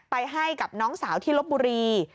ให้กับน้องสาวที่ลบบุรี